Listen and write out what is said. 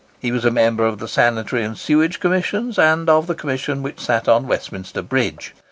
He was a member of the Sanitary and Sewage Commissions, and of the Commission which sat on Westminster Bridge.